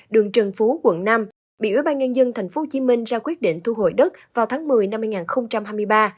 đường trần phú quận năm bị ủy ban nhân dân tp hcm ra quyết định thu hồi đất vào tháng một mươi năm hai nghìn hai mươi ba